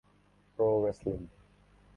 Pro Wrestling.